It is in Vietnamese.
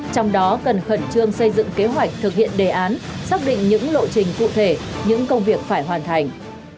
trong đó cần khẩn trương xây dựng kế hoạch thực hiện đề án xác định những lộ trình cụ thể những công việc phải hoàn thành